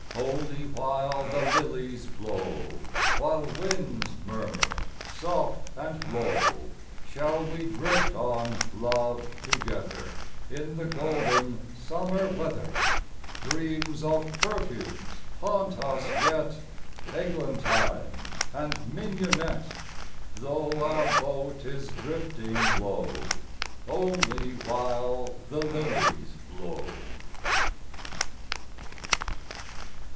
Only while the lilies blow, While winds murmur soft and low. Shall we drift on, love, together In the golden summer weather. Dreams of perfumes haunt us yet, Eglantine and mignonette. Though our boat is drifting low Only while the liHes blow.